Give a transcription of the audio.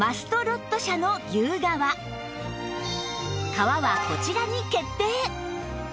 革はこちらに決定！